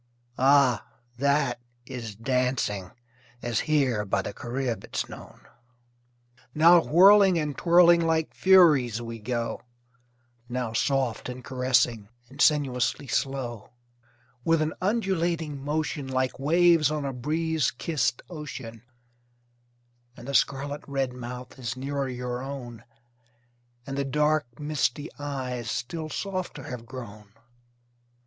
Ah! that is dancing, As here by the Carib it's known. Now, whirling and twirling Like furies we go; Now, soft and caressing And sinuously slow; With an undulating motion, Like waves on a breeze kissed ocean: And the scarlet red mouth Is nearer your own, And the dark, misty eyes Still softer have grown.